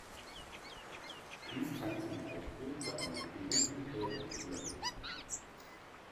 Dies kann zum Beispiel zu einer Trübung von Gläsern führen.